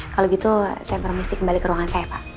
kalau gitu saya informasi kembali ke ruangan saya pak